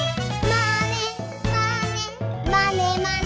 「まねまねまねまね」